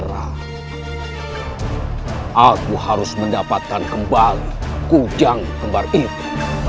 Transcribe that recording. hai aku harus mendapatkan kembali hujan kembar itu